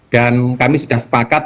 dan kami sudah sepakat